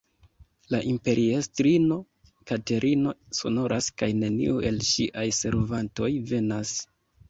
La imperiestrino Katerino sonoras kaj neniu el ŝiaj servantoj venas.